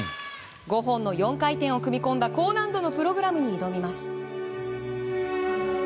５本の４回転を組み込んだ高難度のプログラムに挑みます。